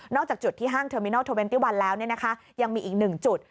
นอกจากจุดที่ห้างเทอร์มินัล๒๑แล้วยังมีอีกหนึ่งจุด